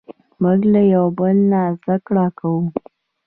موږ له یو بل نه زدهکړه کوو.